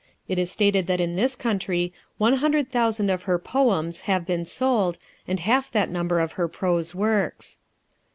It is stated that in this country one hundred thousand of her Poems have been sold, and half that number of her prose works.